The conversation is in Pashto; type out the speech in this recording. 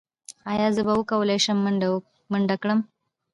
ایا زه به وکولی شم منډه کړم؟